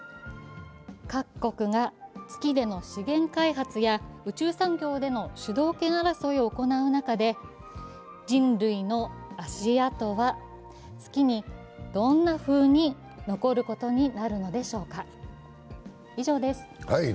各国が月での資源開発や宇宙産業での主導権争いを行う中で人類の足跡は月にどんなふうに残ることになるのでしょうか。